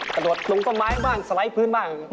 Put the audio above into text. กระโดดลงต้นไม้บ้างสไลด์พื้นบ้าง